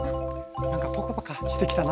何かポカポカしてきたな！